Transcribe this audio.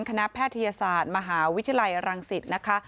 คณะแพทยาศาสตร์มหาวิทยาลัยอลังศิษธร์